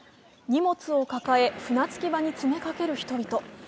荷物を抱え、船着場に詰めかける人々。